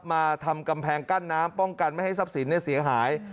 มาทำกำแพงกั้นน้ำป้องกันไม่ให้ทรัพย์สินเสียหาย